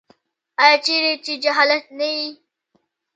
آیا چیرې چې جهالت نه وي؟